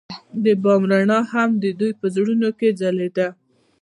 د بام رڼا هم د دوی په زړونو کې ځلېده.